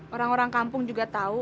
orang orang kampung juga tahu